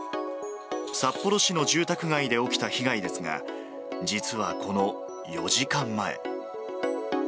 札幌市の住宅街で起きた被害ですが、実はこの４時間前。